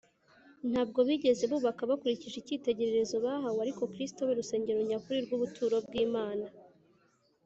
. Ntabwo bigeze bubaka bakurikije icyitegererezo bahawe, ariko Kristo, we rusengero nyakuri rw’ubuturo bw’Imana,